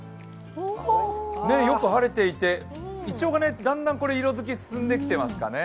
よく晴れていて、イチョウがだんだん色づき進んできていますかね。